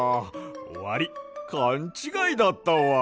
わりいかんちがいだったわ。